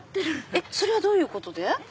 それはどういうことで？